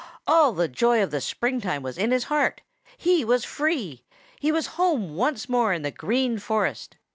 All the joy of the springtime was in his heart He was free! He was home once more in the Green Forest!